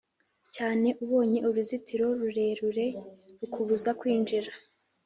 cyane Ubonye uruzitiro rurerure rukubuza kwinjira